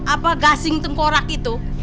apa gasing tenggorak itu